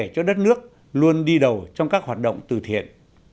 và các đất nước luôn đi đầu trong các hoạt động từ thiện